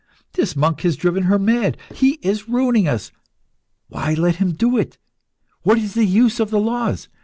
This monk has driven her mad. He is ruining us. Why let him do it? What is the use of the laws?